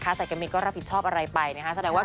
อ่าโอเคตอนนี้อยู่ในระหว่างกัน